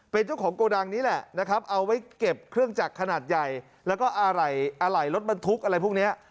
เป็นเจ้าของโกดังนี้แหละนะครับเอาไว้เก็บเครื่องจักรขนาดใหญ่แล้วก็อะไหล่รถบรรทุกอะไรพวกนี้